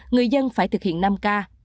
người dân phải thực hiện năm ca